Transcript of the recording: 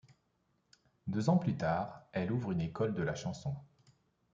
Deux ans plus tard, elle ouvre une école de la chanson.